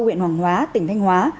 huyện hoàng hóa tỉnh thanh hóa